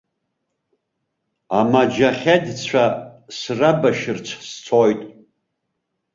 Амаџьахедцәа срабашьырц сцоит.